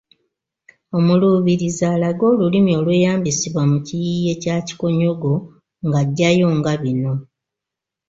Omuluubirizi alage olulimi olweyambisibwa mu kiyiiye kya Kikonyogo nga aggyayo nga bino: